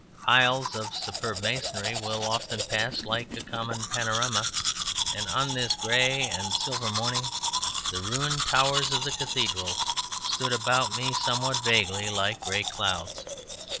Piles of superb masonry will often pass like a common panorama; and on this grey and silver morning the ruined towers of the cathedral stood about me somewhat vaguely like grey clouds.